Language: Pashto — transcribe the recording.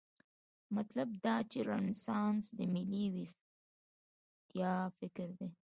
مطلب دا چې رنسانس د ملي ویښتیا فکر دی.